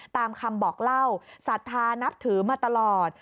ตามคำบอกเล่าศรัทธานับถือมาตลอด